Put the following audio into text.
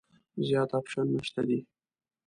زیات اپشنونه شته دي.